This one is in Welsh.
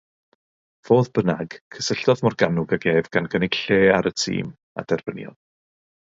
Fodd bynnag, cysylltodd Morgannwg ag ef gan gynnig lle ar y tîm a derbyniodd.